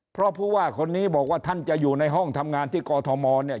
เพราะผู้ว่าคนนี้บอกว่าท่านจะอยู่ในห้องทำงานที่กอทมเนี่ย